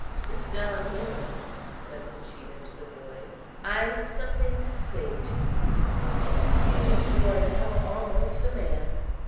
"Sit down here," said Uncheedah to the boy; "I have something to say to you. You see that you are now almost a man.